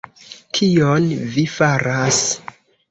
kion vi faras!